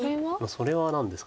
それは何ですか。